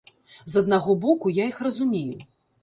З аднаго боку, я іх разумею.